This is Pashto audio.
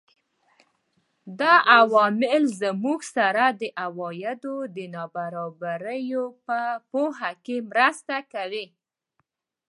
دا عوامل موږ سره د عوایدو د نابرابرۍ په پوهه کې مرسته کوي